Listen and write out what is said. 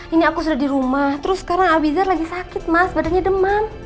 ini aku sudah di rumah terus sekarang abizar lagi sakit mas badannya demam